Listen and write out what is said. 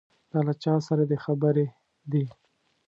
دا له چا سره دې خبرې دي.